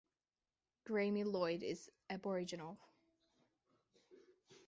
Graeme Lloyd is aboriginal.